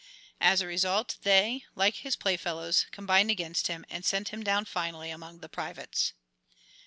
As a result they, like his playfellows, combined against him, and sent him down finally among the privates.